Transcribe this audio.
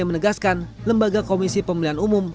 menegaskan lembaga komisi pemilihan umum